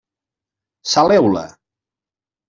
Saleu-la.